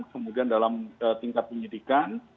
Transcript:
kemudian dalam tingkat penyidikan